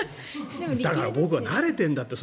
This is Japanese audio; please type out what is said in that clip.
だから僕は慣れているんだって。